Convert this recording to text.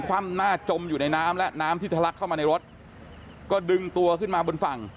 คว่ำหน้าจมอยู่ในน้ำและน้ำที่ทะลักเข้ามาในรถก็ดึงตัวขึ้นมาบนฝั่ง